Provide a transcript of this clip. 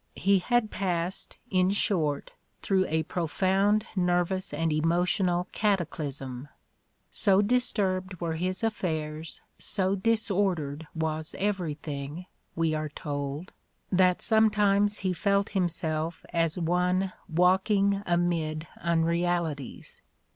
He had passed, in short, through a profound nervous and emo tional cataclysm: "so disturbed were his affairs, so dis ordered was everything," we are told, "that sometimes he felt himself as one walking amid unrealities."